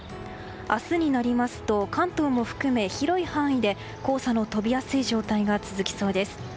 明日になりますと、関東も含め広い範囲で黄砂の飛びやすい状態が続きそうです。